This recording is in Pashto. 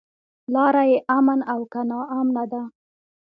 لاره يې امن او که ناامنه ده.